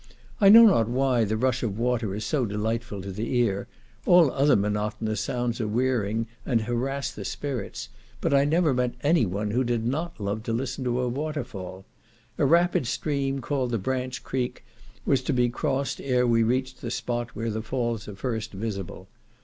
I know not why the rush of waters is so delightful to the ear; all other monotonous sounds are wearying, and harass the spirits, but I never met any one who did not love to listen to a waterfall. A rapid stream, called the "Branch Creek," was to be crossed ere we reached the spot where the falls are first visible.